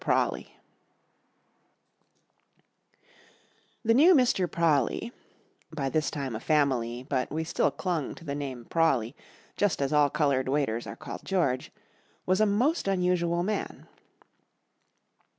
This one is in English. PRAWLEY THE new Mr. Prawley (by this time a family, but we still clung to the name Prawley, just as all coloured waiters are called "George") was a most unusual man.